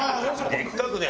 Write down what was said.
でっかくね。